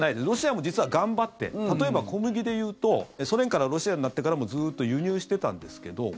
ロシアも実は頑張って例えば、小麦でいうとソ連からロシアになってからもずっと輸入してたんですけど